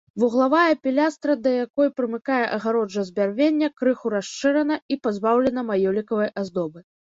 Вуглавая пілястра, да якой прымыкае агароджа з бярвення, крыху расшырана і пазбаўлена маёлікавай аздобы.